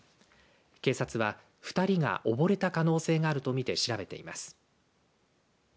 警察は２人が溺れた可能性があるとみて調べています。